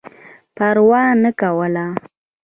پروا نه کوله.